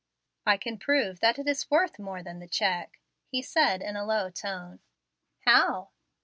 "I can prove that it is worth more than the check," he said, in a low tone. "How?"